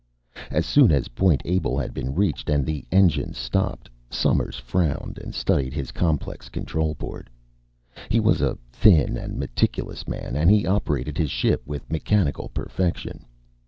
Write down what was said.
As soon as Point Able had been reached and the engines stopped, Somers frowned and studied his complex control board. He was a thin and meticulous man, and he operated his ship with mechanical perfection.